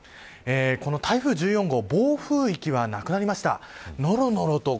この台風１４号暴風域は、なくなりました。